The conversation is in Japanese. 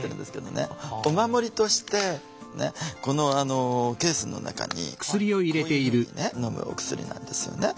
お守りとしてこのケースの中にこういうふうにねのむお薬なんですよね。